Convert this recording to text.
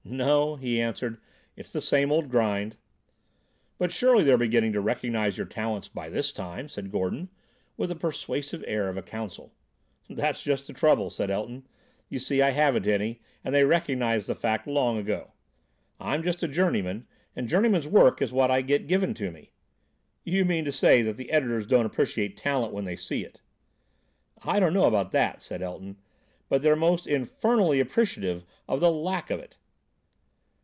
"No," he answered, "it's the same old grind." "But surely they're beginning to recognise your talents by this time," said Gordon, with the persuasive air of a counsel. "That's just the trouble," said Elton. "You see, I haven't any, and they recognised the fact long ago. I'm just a journeyman, and journeyman's work is what I get given to me." "You mean to say that the editors don't appreciate talent when they see it." "I don't know about that," said Elton, "but they're most infernally appreciative of the lack of it."